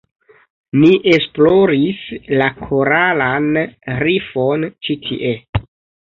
Ni esploris la koralan rifon ĉi tie